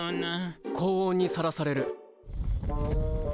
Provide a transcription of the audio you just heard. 高温にさらされる。